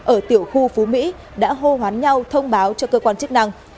ở tiểu khu phú mỹ đã hô hoán nhau thông báo cho cơ quan chức năng